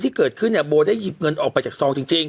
ที่เกิดขึ้นเนี่ยโบได้หยิบเงินออกไปจากซองจริง